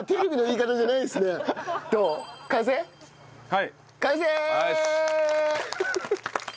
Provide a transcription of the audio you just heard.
はい。